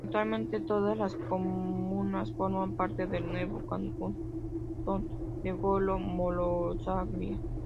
Actualmente todas las comunas forman parte del nuevo cantón de Golo-Morosaglia.